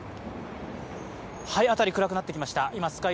辺り、暗くなってきました。